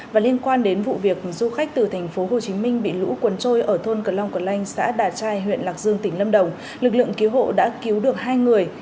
và liên quan đến vụ việc du khách từ tp hcm bị lũ quần trôi ở thôn cần long quần lanh xã đà trai huyện lạc dương tỉnh lâm đồng lực lượng cứu hộ đã cứu được hai người